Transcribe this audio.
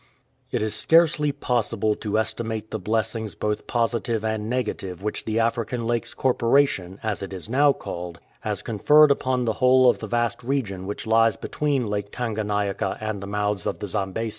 It is scarcely possible to estimate the blessings both positive and negative which the African Lakes Corpora tion, as it is now called, has conferred upon the whole of the vast region which lies between Lake Tanganyika and the mouths of the Zambesi.